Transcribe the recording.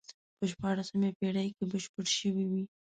په شپاړسمې پېړۍ کې بشپړ شوی وي.